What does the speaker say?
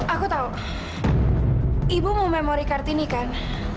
aku tahu ibu mau memori kartu ini kan